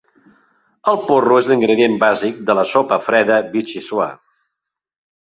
El porro és l'ingredient bàsic de la sopa freda vichyssoise.